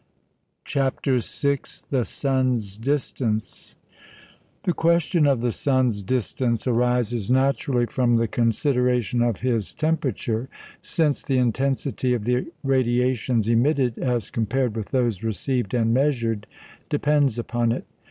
] CHAPTER VI THE SUN'S DISTANCE The question of the sun's distance arises naturally from the consideration of his temperature, since the intensity of the radiations emitted as compared with those received and measured, depends upon it.